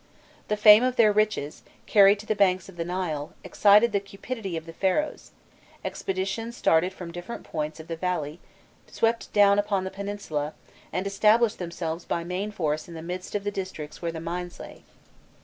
The fame of their riches, carried to the banks of the Nile, excited the cupidity of the Pharaohs; expeditions started from different points of the valley, swept down upon the peninsula, and established themselves by main force in the midst of the districts where the mines lay.